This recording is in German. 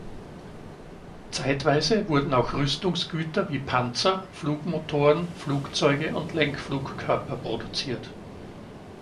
Zeitweise wurden auch Rüstungsgüter wie Panzer, Flugmotoren, Flugzeuge und Lenkflugkörper produziert.